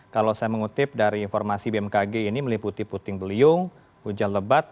kalau saya mengutip dari informasi bmkg ini meliputi puting beliung hujan lebat